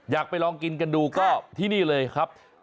อยากไปลองกินกันดูก็ที่นี่เลยครับ